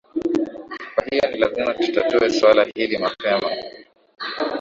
kwa hiyo ni lazima tutatue suala hili mapema